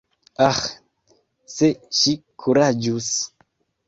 Aĥ, se ŝi kuraĝus!